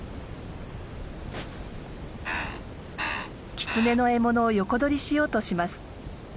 キツネの獲物を横取りしようとします。